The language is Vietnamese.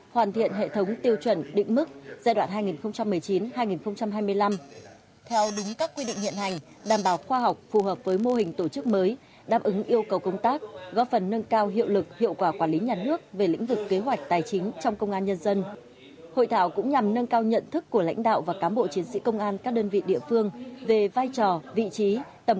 tại hội thảo các đại biểu đã tham luận tập trung vào việc nghiên cứu thực hiện các quy định về tiêu chuẩn định mức giai đoạn hai nghìn tám hai nghìn một mươi tám để giá soát đánh giá rút kinh nghiệm